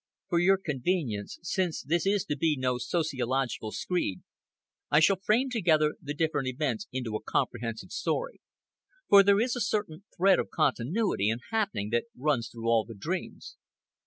For your convenience, since this is to be no sociological screed, I shall frame together the different events into a comprehensive story. For there is a certain thread of continuity and happening that runs through all the dreams.